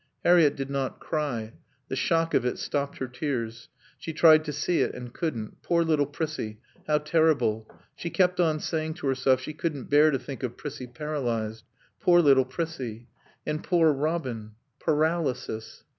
Harriett did not cry. The shock of it stopped her tears. She tried to see it and couldn't. Poor little Prissie. How terrible. She kept on saying to herself she couldn't bear to think of Prissie paralyzed. Poor little Prissie. And poor Robin Paralysis.